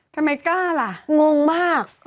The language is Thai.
ทำไมกล้าล่ะงงมาก